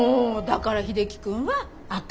だから秀樹くんは赤。